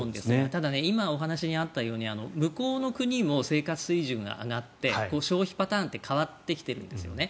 ただ、今お話にあったように向こうの国も生活水準が上がって消費パターンって変わってきているんですよね。